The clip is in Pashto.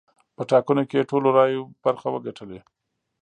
په ټاکنو کې یې د ټولو رایو برخه وګټلې.